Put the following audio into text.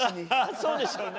そうでしょうね。